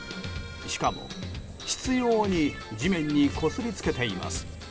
しかも、執拗に地面にこすりつけています。